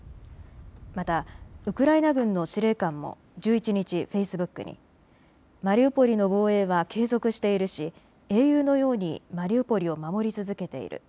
また、ウクライナ軍の司令官も１１日、フェイスブックにマリウポリの防衛は継続しているし英雄のようにマリウポリを守り続けている。